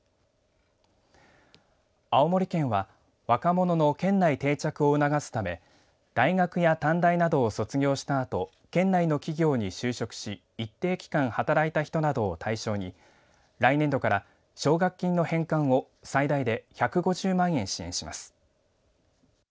青森県は若者の県内定着を促すため大学や短大などを卒業したあと県内の企業に就職し一定期間働いた人などを対象に来年度から奨学金の返還を最大で１５０万円、支援します。